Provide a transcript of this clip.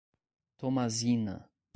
Tomazina